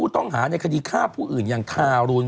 ต้องหาในคดีฆ่าผู้อื่นอย่างทารุณ